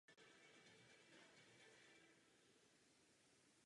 Každý z vystupujících měl na vystoupení pouze tři minuty.